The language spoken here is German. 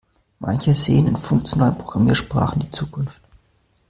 Manche sehen in funktionalen Programmiersprachen die Zukunft.